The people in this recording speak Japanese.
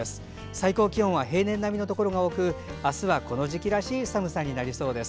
最高気温は平年並みのところが多く明日はこの時期らしい寒さになりそうです。